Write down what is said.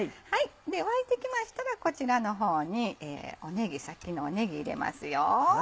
沸いてきましたらこちらの方にさっきのねぎ入れますよ。